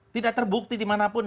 tidak terbukti dimanapun